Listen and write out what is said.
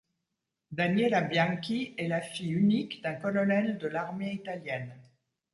Daniela Bianchi est la fille unique d'un colonel de l'armée italienne.